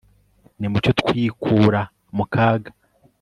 nimucyo twikura mu kaga